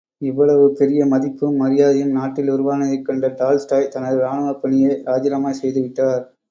இவ்வளவு பெரிய மதிப்பும், மரியாதையும் நாட்டில் உருவானதைக் கண்ட டால்ஸ்டாய், தனது ராணுவப் பணியை ராஜிநாமா செய்து விட்டார்.